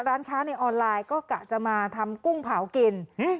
ร้านค้าในออนไลน์ก็กะจะมาทำกุ้งเผากิน